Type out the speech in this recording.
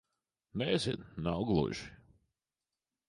Nezinu. Nav gluži...